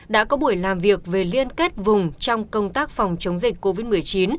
đã có buổi làm việc về liên kết vùng trong công tác phòng chống dịch covid một mươi chín